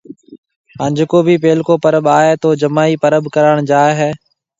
ھان جڪو ڀِي پيلڪو پرٻ آيو تو جمائِي پرٻ ڪراڻ جائيَ ھيََََ